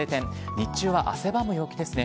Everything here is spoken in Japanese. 日中は汗ばむ陽気ですね。